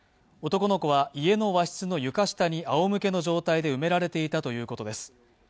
男の子は家の和室の床下にあおむけの状態で埋められていたということです。